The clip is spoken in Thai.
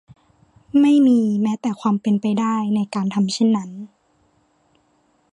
ไม่มีแม้แต่ความเป็นไปได้ในการทำเช่นนั้น